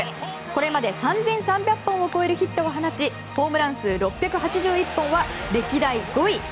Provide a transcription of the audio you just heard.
これまで３３００本を超えるヒットを放ちホームラン数６８１本は歴代５位。